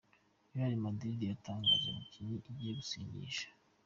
Real Madrid yatangaje abakinnyi igiye gusinyisha.